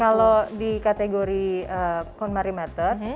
kalau di kategori konmari method